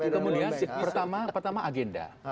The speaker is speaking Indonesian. kemudian pertama agenda